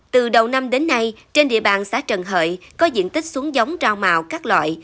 từ đầu năm đến nay trên địa bàn xã trần hợi có diện tích xuống giống rau màu các loại